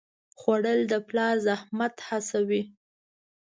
خوړل د پلار زحمت حسوي